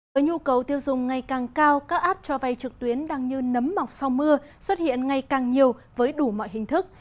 với nhu cầu tiêu dùng ngày càng cao các app cho vay trực tuyến đang như nấm mọc sau mưa xuất hiện ngày càng nhiều với đủ mọi hình thức